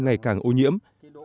ngày càng ô nhiễm